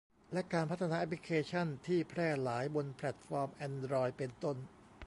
และการพัฒนาแอพลิเคชั่นที่แพร่หลายบนแพลทฟอร์มแอนดรอยด์ เป็นต้น